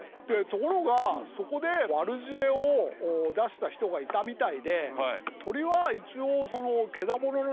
ところがそこで悪知恵を出した人がいたみたいでえ？